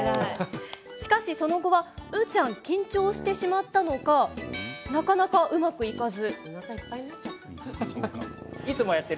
しかし、その後はウーちゃん緊張してしまったのかなかなかうまくいかず。